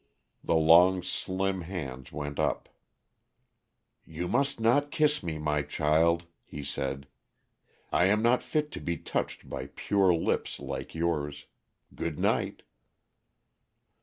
The long, slim hands went up. "You must not kiss me, my child," he said. "I am not fit to be touched by pure lips like yours. Good night."